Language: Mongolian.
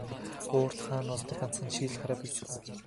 Уут хаана нуусныг ганцхан чи л хараа биз дээ.